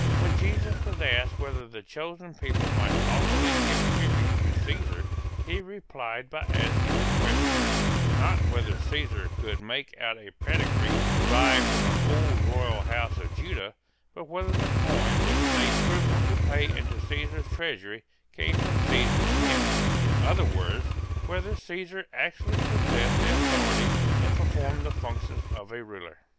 When Jesus was asked whether the chosen people might lawfully give tribute to Caesar, he replied by asking the questioners, not whether Caesar could make out a pedigree derived from the old royal house of Judah, but whether the coin which they scrupled to pay into Caesar's treasury came from Caesar's mint, in other words, whether Caesar actually possessed the authority and performed the functions of a ruler.